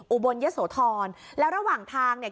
อุบลยะโสธรแล้วระหว่างทางเนี่ย